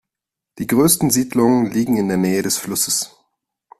Die grössten Siedlungen liegen in der Nähe des Flusses.